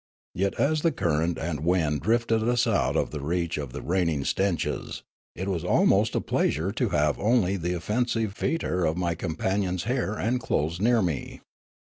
Yet, as the current and wind drifted us out of the reach of the raining stenches, it was almost a pleasure to have only the offensive fetor of my companion's hair and clothes near me.